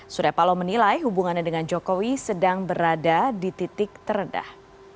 surya paloh menilai hubungannya dengan jokowi sedang berada di titik terendah